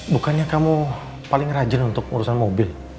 bukannya kamu paling rajin untuk urusan mobil